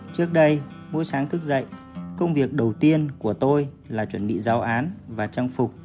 trước đây mỗi sáng thức dậy công việc đầu tiên của tôi là chuẩn bị giáo án và trang phục